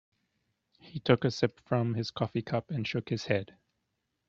He took a sip from his coffee cup and shook his head.